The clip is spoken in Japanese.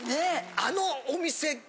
あのお店。